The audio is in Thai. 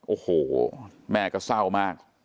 โอ้โหแม่ก็เศร้ามาก